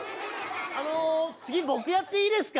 あの次僕やっていいですか？